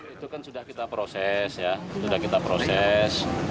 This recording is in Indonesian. itu kan sudah kita proses ya sudah kita proses